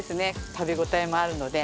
食べ応えもあるので。